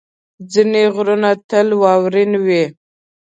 ځینې غرونه تل واورین وي.